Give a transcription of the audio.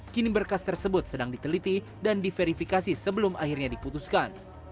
kini berkas tersebut sedang diteliti dan diverifikasi sebelum akhirnya diputuskan